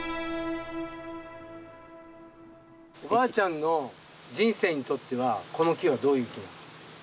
おばあちゃんの人生にとってはこの木はどういう。